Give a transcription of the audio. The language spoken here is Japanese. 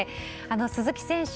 鈴木選手